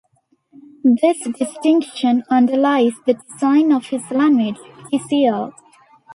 This distinction underlies the design of his language Tcl.